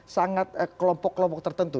sangat kelompok kelompok tertentu